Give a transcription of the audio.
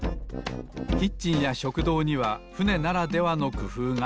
キッチンや食堂にはふねならではのくふうが。